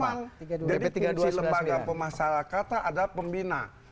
jadi fungsi lembaga pemasarakata adalah pembina